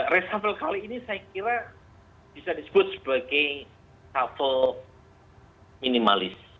reshuffle kali ini saya kira bisa disebut sebagai travel minimalis